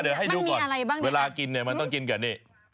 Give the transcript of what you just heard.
เดี๋ยวให้ดูก่อนเวลากินเนี่ยมันต้องกินก่อนนี่